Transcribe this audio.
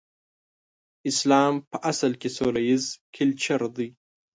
اسلام په اصل کې سوله ييز کلچر دی.